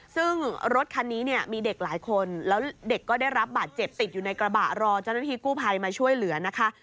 ซึ่งรถคันนี้เนี่ยมีเด็กหลายคนแล้วเด็กก็ได้รับบาดเจ็บติดอยู่ในกระบะรอเจ้าหน้าที่กู้ภัยมาช่วยเหลือนะคะ